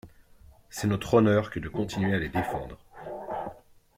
C’est notre honneur que de continuer à les défendre.